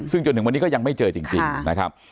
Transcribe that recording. ซึ่งจนถึงวันนี้ก็ยังไม่เจอจริงนะครับ